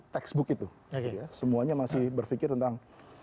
textbook itu semuanya masih berpikir tentang